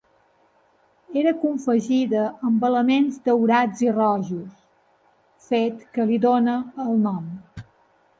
Era confegida amb elements daurats i rojos, fet que li dona el nom.